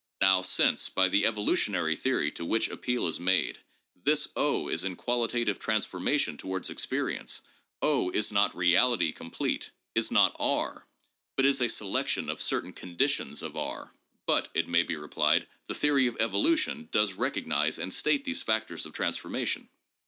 Now since, by the evolu tionary theory to which appeal is made, this is in qualitative trans formation towards experience, is not reality complete, is not R, but is a selection of certain conditions of R. But, it may be replied, the theory of evolution does recognize and state these factors of transformation.